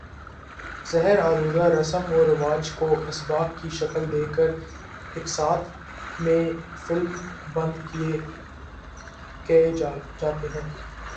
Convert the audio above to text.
زہر آلودہ رسم و رواج کو اسباق کی شکل دے کر اقساط میں فلم بند کئے جاتے ہیں